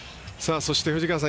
そして、藤川さん